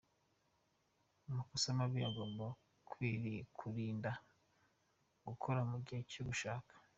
Amakosa mabi ugomba kwirinda gukora mu gihe cyo gushaka.